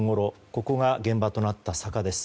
ここが現場となった坂です。